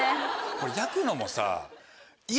これ焼くのもさ。